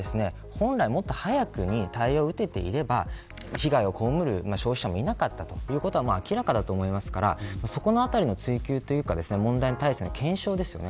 であれば、本来もっと早くに対応を打てていれば被害を被る消費者もいなかったということは明らかだと思いますからそこのあたりの追及というか問題の検証ですよね。